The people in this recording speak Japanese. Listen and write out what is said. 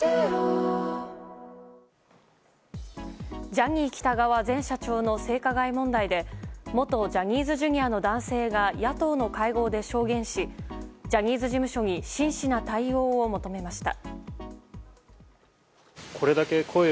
ジャニー喜多川前社長の性加害問題で元ジャニーズＪｒ．の男性が野党の会合で証言しジャニーズ事務所に真摯な対応を求めました。